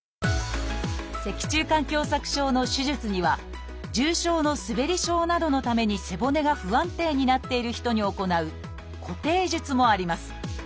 脊柱管狭窄症の手術には重症のすべり症などのために背骨が不安定になっている人に行う「固定術」もあります。